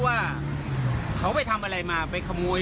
ว่าเขาไปทำอะไรมาไปขโมย